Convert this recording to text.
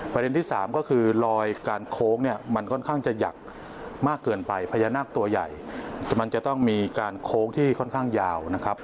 ประเด็นที่สามก็คือลอยการโค้งเนี่ยมันค่อนข้างจะหยักมากเกินไปพญานาคตัวใหญ่มันจะต้องมีการโค้งที่ค่อนข้างยาวนะครับ